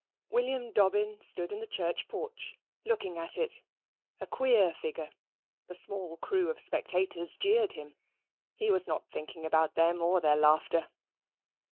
William Dobbin stood in the church porch, looking at it, a queer figure. The small crew of spectators jeered him. He was not thinking about them or their laughter.